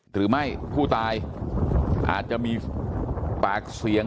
หรือไม่ผู้ตายอาจจะมีปากเสียง